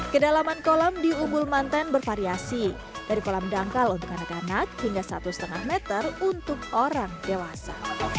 kedalaman kolam di ubul mantan bervariasi dari kolam dangkal untuk anak anak hingga satu lima meter untuk orang dewasa